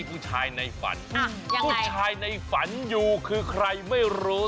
ผู้ชายในฝันยูคือใครไม่รู้